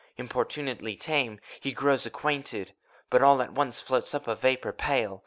Importunately tame: he grows acquainted. — But all at once floats up a vapor pale.